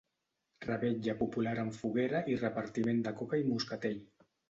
Revetlla popular amb foguera i repartiment de coca i moscatell.